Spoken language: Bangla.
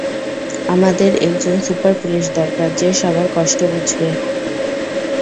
আমাদের একজন সুপার পুলিশ দরকার, যে সবার কষ্ট বুঝবে।